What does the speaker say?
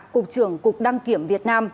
cục trưởng cục đăng kiểm việt nam